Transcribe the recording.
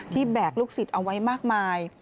แบกลูกศิษย์เอาไว้มากมาย